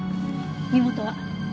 身元は？